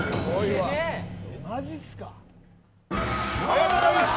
ありがとうございます！